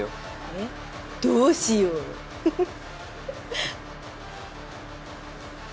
えっどうしようふふっ。